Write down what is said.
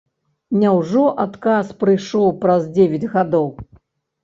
Няўжо адказ прыйшоў праз дзевяць гадоў?